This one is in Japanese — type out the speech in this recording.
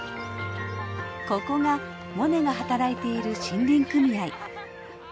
ここがモネが働いている森林組合。